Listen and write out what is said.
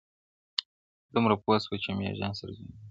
دومره پوه سوه چي مېږیان سره جنګېږي-